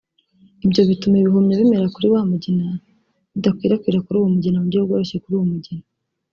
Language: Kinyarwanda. Ibyo bituma ibihumyo bimera kuri wa mugina bidakwirakwira kuri uwo mugina mu buryo bworoshye kuri uwo mugina